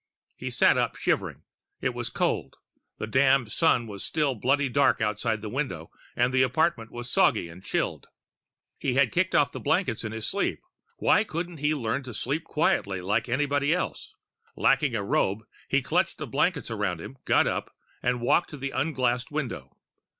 He sat up, shivering. It was cold. The damned Sun was still bloody dark outside the window and the apartment was soggy and chilled. He had kicked off the blankets in his sleep. Why couldn't he learn to sleep quietly, like anybody else? Lacking a robe, he clutched the blankets around him, got up and walked to the unglassed window.